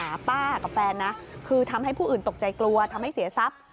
ป้ากับแฟนนะคือทำให้ผู้อื่นตกใจกลัวทำให้เสียทรัพย์